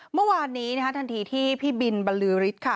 เมื่อวานนี้นะคะทันทีที่พี่บินบรรลือฤทธิ์ค่ะ